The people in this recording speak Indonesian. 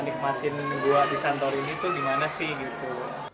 nikmatin goa di santorini itu gimana sih gitu